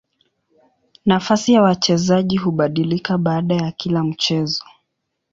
Nafasi ya wachezaji hubadilika baada ya kila mchezo.